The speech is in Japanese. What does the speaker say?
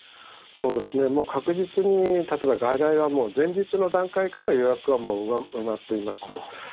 そうですね、もう確実に例えば、外来はもう前日の段階から予約はもう埋まっています。